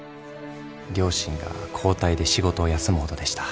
両親が交代で仕事を休むほどでした。